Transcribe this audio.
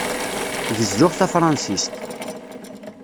Gezzuɣ tafṛansist.